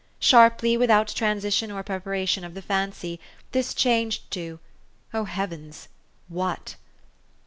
Sharply, without transition or preparation of the fancy, this changed to O heavens ! What